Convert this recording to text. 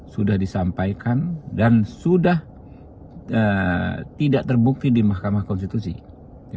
sudah disampaikan dan sudah tidak terbukti di mahkamah konstitusi